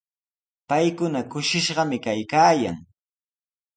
Paykuna kushishqami kaykaayan.